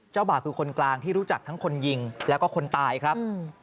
บ่าวคือคนกลางที่รู้จักทั้งคนยิงแล้วก็คนตายครับ